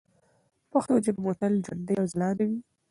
پښتو ژبه مو تل ژوندۍ او ځلانده وي.